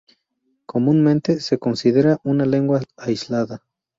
Comúnmente se considera una lengua aislada.